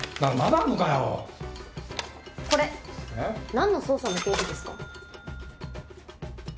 何の捜査の経費ですか？